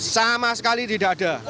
sama sekali tidak ada